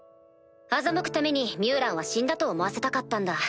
欺くためにミュウランは死んだと思わせたかったんだ。